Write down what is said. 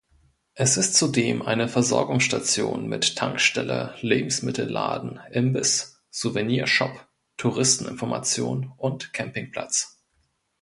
Es ist zudem eine Versorgungsstation mit Tankstelle, Lebensmittelladen, Imbiss, Souvenirshop, Touristeninformation und Campingplatz.